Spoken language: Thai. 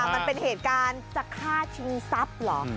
มันเป็นเหตุการณ์จะฆ่าชิงทรัพย์เหรอ